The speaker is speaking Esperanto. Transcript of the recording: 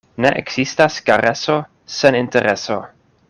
Ne ekzistas kareso sen intereso.